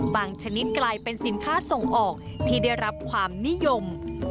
ชนิดกลายเป็นสินค้าส่งออกที่ได้รับความนิยม